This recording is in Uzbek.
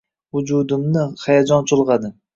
Vujudimni hayajon chulg’adi.